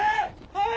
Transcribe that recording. はい！